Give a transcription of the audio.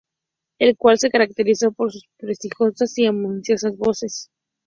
El cual se caracterizó por sus prestigiosas y armoniosas voces.